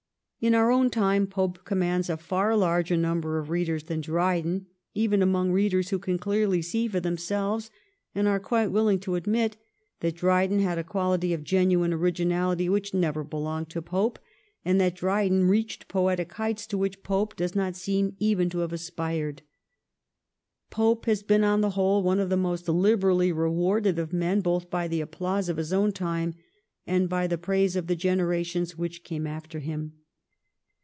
In our own time Pope commands a far larger number of readers than Dryden, even among readers who can clearly see for themselves, and are quite willing to admit, that Dryden had a quality of genuine originality which never belonged to Pope, and that Dryden reached poetic heights to which Pope does not seem even to have aspired. Pope has been on the whole one of the most liberally rewarded of men both by the applause of his own time and by the praise of the generations which came after him.